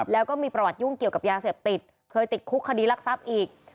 แล้วก็มีประวัติยุ่งเกี่ยวกับยาเสพติดเคยติดคุกคดีรักทรัพย์อีก